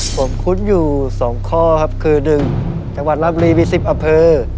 ผมคุ้นอยู่สองข้อครับคือหนึ่งจังหวัดราบรีมีสิบอำเภอ